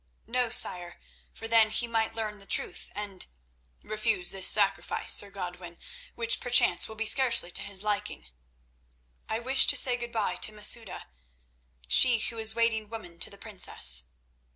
"No, sire, for then he might learn the truth and—" "Refuse this sacrifice, Sir Godwin, which perchance will be scarcely to his liking." "I wish to say good bye to Masouda, she who is waiting woman to the princess."